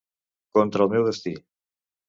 Contra el meu destí.